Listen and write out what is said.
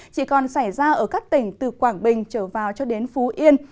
chỉ còn xảy ra ở các tỉnh từ quảng bình trở vào cho đến phú yên